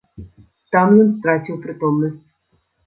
Там ён страціў прытомнасць.